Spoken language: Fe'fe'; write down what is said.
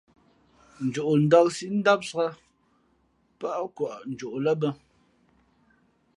Njoʼndāk síʼ ndámsāk pάʼ kwαʼ njoʼ lά bᾱ.